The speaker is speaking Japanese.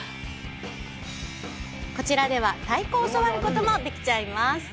こちらでは太鼓を教わることもできちゃいます。